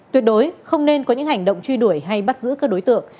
tuyệt đối không nên có những hành động truy đuổi hay bắt giữ các đối tượng